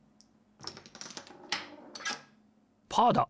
パーだ！